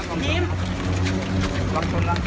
กลับด้วยกลับด้วย